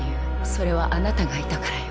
それはあなたがいたからよ。